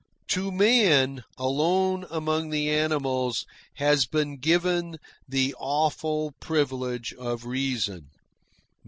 To man, alone among the animals, has been given the awful privilege of reason.